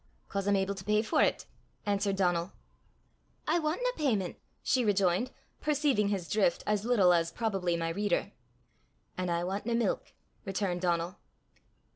"'Cause I'm able to pey for 't," answered Donal. "I want nae peyment," she rejoined, perceiving his drift as little as probably my reader. "An' I want nae milk," returned Donal.